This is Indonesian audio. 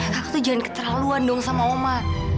kakak tuh jangan keterlaluan dong sama oma